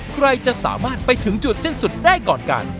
ใครจะสามารถไปถึงจุดสิ้นสุดได้ก่อนกัน